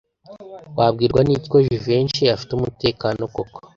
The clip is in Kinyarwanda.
Wabwirwa n'iki ko Jivency afite umutekano koko?